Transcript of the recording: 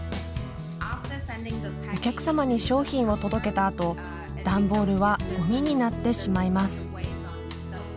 お客様に商品を届けたあと段ボールはゴミになってしまいます。